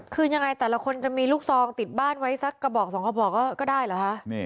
คือยังไงแต่ละคนจะมีลูกซองติดบ้านไว้สักกระบอกสองกระบอกก็ได้เหรอคะ